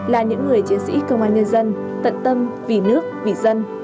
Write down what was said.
là những người chiến sĩ công an nhân dân tận tâm vì nước vì dân